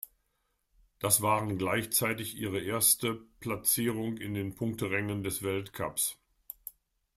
Das waren gleichzeitig ihre erste Platzierung in den Punkterängen des Weltcups.